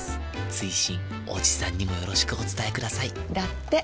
追伸おじさんにもよろしくお伝えくださいだって。